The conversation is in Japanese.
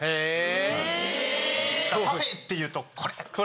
パフェっていうとこれ！